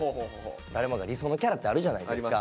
誰もが理想のキャラってあるじゃないですか。